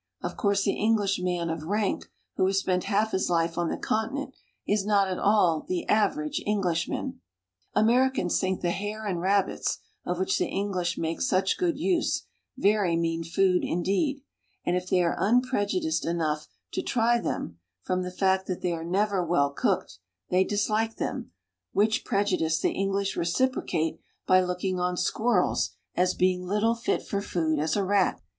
Of course the Englishman of rank, who has spent half his life on the continent, is not at all the average Englishman. Americans think the hare and rabbits, of which the English make such good use, very mean food indeed, and if they are unprejudiced enough to try them, from the fact that they are never well cooked, they dislike them, which prejudice the English reciprocate by looking on squirrels as being as little fit for food as a rat.